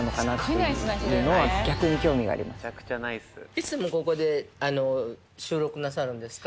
いつもここで収録なさるんですか？